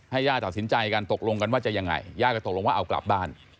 ย่าตัดสินใจกันตกลงกันว่าจะยังไงย่าก็ตกลงว่าเอากลับบ้าน